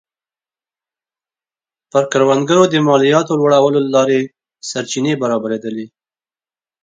پر کروندګرو د مالیاتو لوړولو له لارې سرچینې برابرېدلې